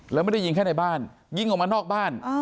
แล้วไม่ได้ยิงแค่ในบ้านยิงออกมานอกบ้าน